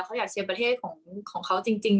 เขาอยากเชียร์ประเทศของเขาจริง